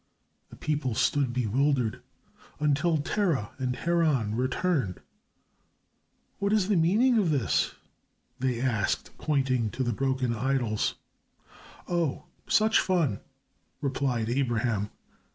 The people stood bewildered until Terah and Haran returned. "What is the meaning of this?" they asked, pointing to the broken idols. "Oh! Such fun," replied Abraham.